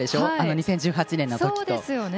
２０１８年のときと。